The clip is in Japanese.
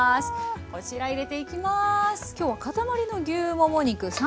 こちら入れていきます。